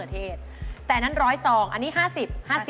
แต่อันนั้น๑๐๐ซองอันนี้๕๐๕๐